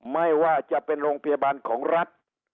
ไม่ว่าจะเป็นโรงพยาบาลของรัฐ